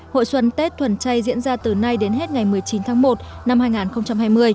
hội xuân tết thuần chay diễn ra từ nay đến hết ngày một mươi chín tháng một năm hai nghìn hai mươi